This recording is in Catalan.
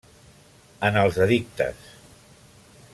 En els edictes.